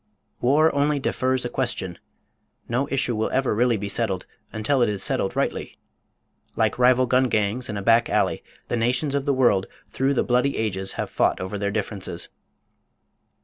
War only defers a question. No issue will ever really be settled until it is settled rightly. Like rival "gun gangs" in a back alley, the nations of the world, through the bloody ages, have fought over their differences.